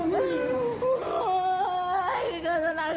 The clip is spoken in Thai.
ไม่หรือจะไม่ได้